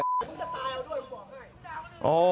มึงจะตายเอาด้วยมึงบอกให้